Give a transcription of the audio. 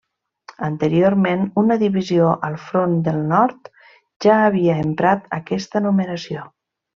Anteriorment una divisió al front del Nord ja havia emprat aquesta numeració.